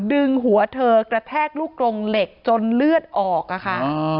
ดึงหัวเธอกระแทกลูกกรงเหล็กจนเลือดออกอะค่ะ